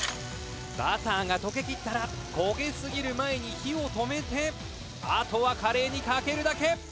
「バターが溶けきったら焦げすぎる前に火を止めてあとはカレーにかけるだけ」